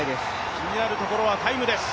気になるところはタイムです。